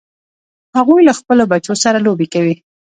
هغوی له خپلو بچو سره لوبې کوي